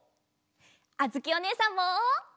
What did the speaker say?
あづきおねえさんも！